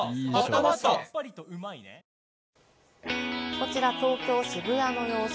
こちら東京・渋谷の様子。